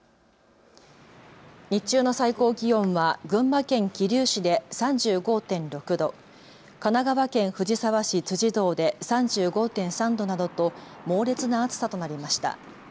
日中の最高気温は群馬県桐生市で３５．６度、神奈川県藤沢市辻堂で３５．３度などと猛烈な暑さとなりました。